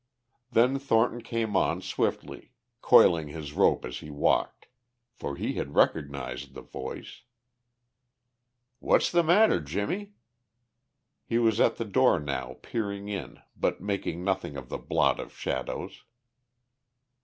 Then Thornton came on swiftly, coiling his rope as he walked. For he had recognized the voice. "What's the matter, Jimmie?" He was at the door now, peering in but making nothing of the blot of shadows.